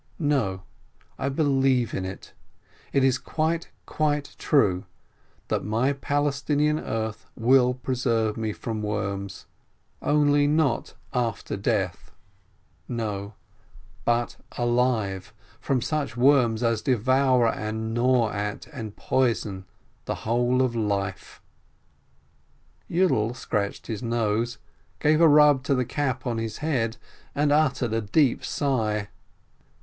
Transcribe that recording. No, I believe in it! It is quite, quite true that my Palestinian earth will preserve me from worms, only not after death, no, but alive — from such worms as devour and gnaw at and poison the whole of life I" Yiidel scratched his nose, gave a rub to the cap on his head, and uttered a deep sigh.